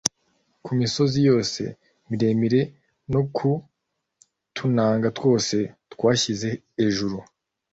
ku misozi yose miremire no ku tununga twose twishyize ejuru,